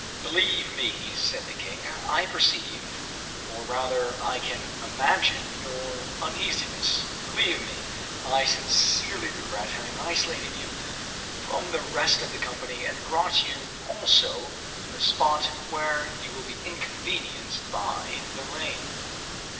"Believe me," said the king, "I perceive, or rather I can imagine your uneasiness; believe me, I sincerely regret having isolated you from the rest of the company, and brought you, also, to a spot where you will be inconvenienced by the rain.